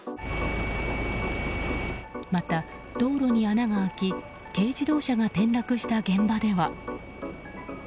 また、道路に穴が開き軽自動車が転落した現場では。